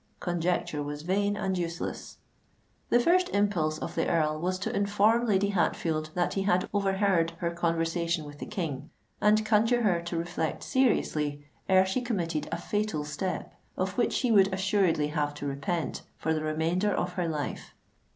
Conjecture was vain and useless. The first impulse of the Earl was to inform Lady Hatfield that he had overheard her conversation with the King, and conjure her to reflect seriously ere she committed a fatal step of which she would assuredly have to repent for the remainder of her life.